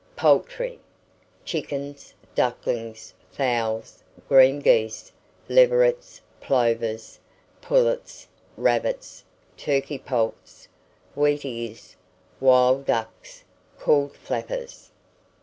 POULTRY. Chickens, ducklings, fowls, green geese, leverets, plovers, pullets, rabbits, turkey poults, wheatears, wild ducks (called flappers).